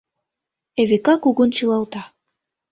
Эвика кугун шӱлалта.